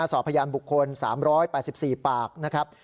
สอบพยานบุคคล๓๘๔ปากนะครับ